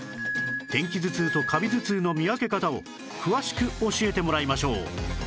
天気頭痛とカビ頭痛の見分け方を詳しく教えてもらいましょう